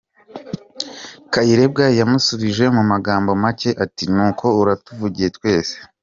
Kayirebwa yamusubije mu magambo make ati “Nuko, uratuvugiye twese.